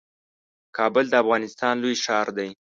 کابل د افغانستان لوی ښار دئ